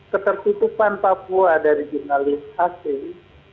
ketertutupan papua dari jurnalis asing